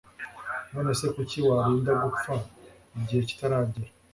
none se kuki warinda gupfa igihe kitaragera